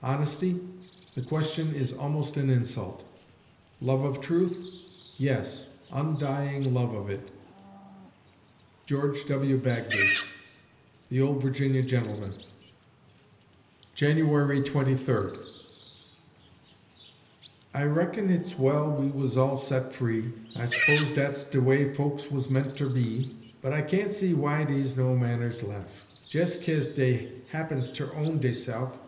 Honesty? The question is almost an insult. Love of truth? Yes, undying love of it. GEORGE W. BAGBY ("The Old Virginia Gentleman") January Twenty Third I reckon hit's well we wuz all set free, I s'pose dat's de way folks wuz meant ter be, But I kain't see w'y dey's no manners lef' Jes' kase dey happens ter own deyse'f.